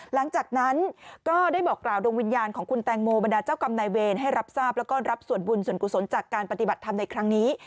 หลังจากนั้นก็ได้บอกกล่าวดวงวิญญาณของคุณแตงโมบรรดาเจ้ากรรมนายเวรให้รับทราบแล้วก็รับส่วนบุญส่วนกุศลจากการปฏิบัติธรรมในครั้งนี้